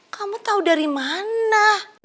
kamu tahu dari mana